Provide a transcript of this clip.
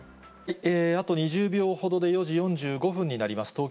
あと２０秒ほどで４時４５分になります。